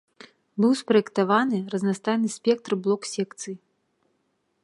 Быў спраектаваны разнастайны спектр блок-секцый.